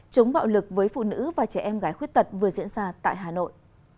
chống bạo lực với phụ nữ và trẻ em gái khuyết tật vừa diễn ra tại hà nội